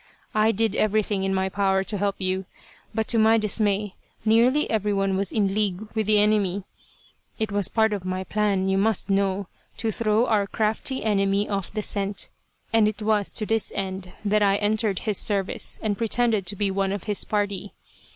I did everything in my power to help you, but to my dismay nearly everyone was in league with the enemy. It was part of my plan, you must know, to throw our crafty enemy off the scent, and it was to this end that I entered his service and pretended to be one of his party.